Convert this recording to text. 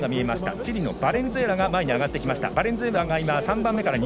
チリのバレンスエラが上がってきました。